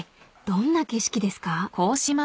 どんな景色ですか？］